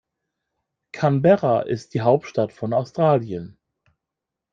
Canberra ist die Hauptstadt von Australien.